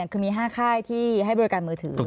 คือมี๕ค่ายที่ให้บริการมือถือ